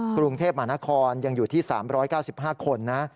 กรุงเทพมหานครยังอยู่ที่๓๙๕คนนะ